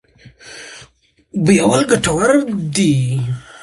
بویول ګټور دی.